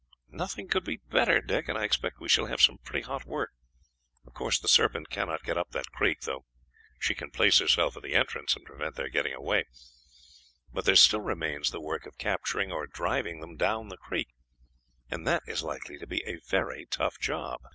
"Nothing could be better, Dick, and I expect we shall have some pretty hot work. Of course the Serpent cannot get up that creek, though she can place herself at the entrance and prevent their getting away; but there still remains the work of capturing or driving them down the creek, and that is likely to be a very tough job."